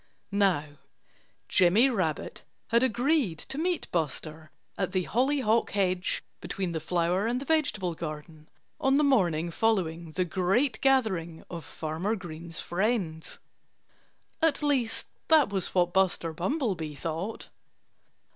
Now, Jimmy Rabbit had agreed to meet Buster at the hollyhock hedge between the flower and the vegetable garden, on the morning following the great gathering of Farmer Green's friends. At least, that was what Buster Bumblebee thought.